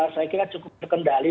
saya kira cukup berkendali